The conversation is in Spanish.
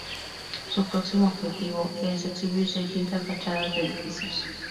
Su próximo objetivo es exhibirse y pintar fachadas de edificios.